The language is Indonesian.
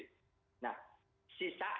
nah sisanya itu adalah wisata